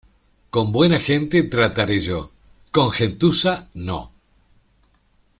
Con buena gente, trataré yo; con gentuza, no.